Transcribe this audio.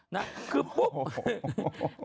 เออคือปุ๊บ